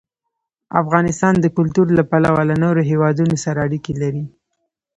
افغانستان د کلتور له پلوه له نورو هېوادونو سره اړیکې لري.